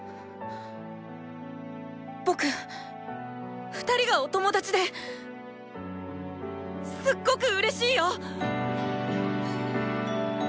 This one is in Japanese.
僕２人がおトモダチですっごくうれしいよ！